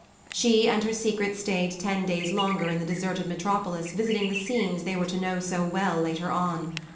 She and her secret stayed ten days longer in the deserted Metropolis visiting the scenes they were to know so well later on.